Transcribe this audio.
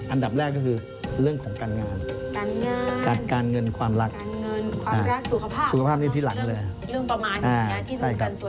อันดับแรกก็คือเรื่องของการงานการเงินความรักสุขภาพเรื่องประมาณอย่างนี้ที่ต้องการส่วนใหญ่